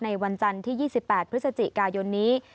วันจันทร์ที่๒๘พฤศจิกายนนี้